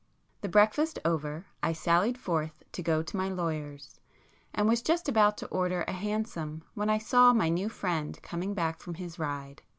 The breakfast over I sallied forth to go to my lawyers, and was just about to order a hansom when I saw my new friend coming back from his ride.